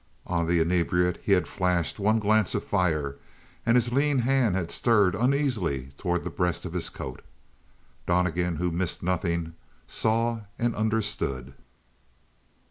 On the inebriate he had flashed one glance of fire, and his lean hand had stirred uneasily toward the breast of his coat. Donnegan, who missed nothing, saw and understood.